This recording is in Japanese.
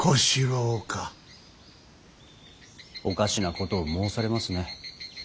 おかしなことを申されますね。